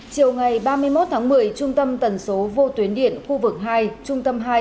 chiều ngày ba mươi một tháng một mươi trung tâm tần số vô tuyến điện khu vực hai trung tâm hai